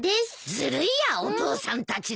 ずるいやお父さんたちだけ。